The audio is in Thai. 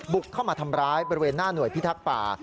เข้ามาทำร้ายบริเวณหน้าหน่วยพิทักษ์ป่า